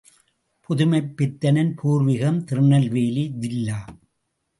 புதுமைப்பித்தனின் பூர்வீகம் திருநெல்வேலி ஜில்லா.